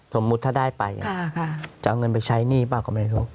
สมมุติถ้าได้ไปจะเอาเงินไปใช้หนี้เปล่าก็ไม่รู้